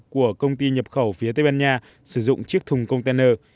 của công ty nhập khẩu phía tây ban nha sử dụng chiếc thùng container